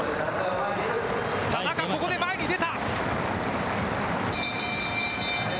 田中、ここで前に出た。